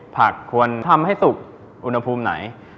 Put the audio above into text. ควรทำให้สุกอุณหภูมิไหน